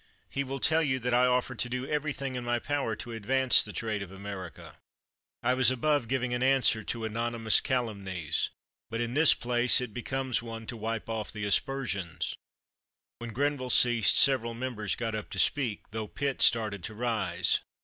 He will tell you that I offered to do every thing in my power to advance the trade of America. I was above giving an answer to anonymous cal umnies ; but in this place it becomes one to wipe off the aspersion." [When Grenville ceased, several members got up to speak, tho Pitt started to rise.